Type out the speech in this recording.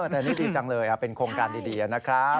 แต่นี่ดีจังเลยเป็นโครงการดีนะครับ